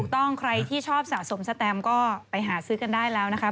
ใครที่ชอบสะสมสแตมก็ไปหาซื้อกันได้แล้วนะคะ